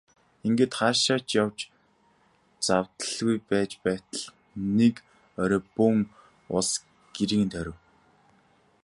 Ингээд хаашаа ч явж завдалгүй байж байтал нэг орой бөөн улс гэрийг нь тойров.